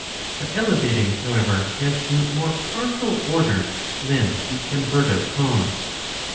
The elevating however, has a more partial order than the convertive cause.